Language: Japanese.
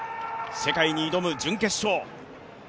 世界に挑む準決勝。